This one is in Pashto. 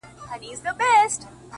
• زمــا دزړه د ائينې په خاموشـۍ كي،